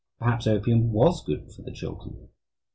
Perhaps opium was good for children.